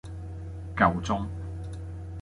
夠鐘